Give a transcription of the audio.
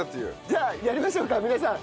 じゃあやりましょうか皆さん。